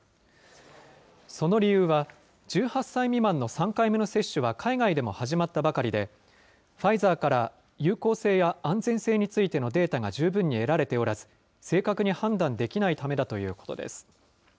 その理由は、１８歳未満の３回目の接種は海外でも始まったばかりで、ファイザーから有効性や安全性についてのデータが十分に得られておらず、正確に判断できないためだということです。